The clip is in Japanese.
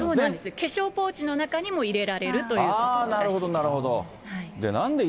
化粧ポーチの中にも入れられるということらしいんですね。